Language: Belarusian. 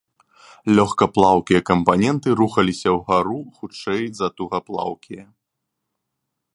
Легкаплаўкія кампаненты рухаліся ўгару хутчэй за тугаплаўкія.